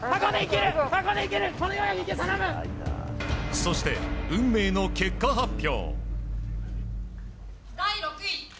そして、運命の結果発表。